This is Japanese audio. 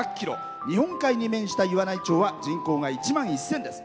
日本海に面した岩内町は人口は１万１０００です。